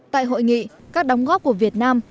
tại hội nghị các đóng góp của việt nam